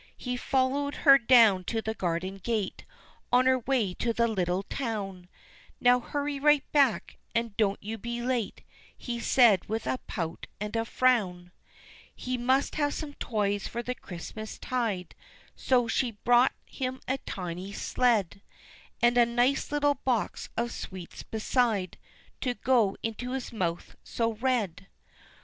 He followed her down to the garden gate On her way to the little town, "Now hurry right back, and don't you be late," He said with a pout and a frown. He must have some toys for the Christmas tide, So she bought him a tiny sled, And a nice little box of sweets beside To go into his mouth so red.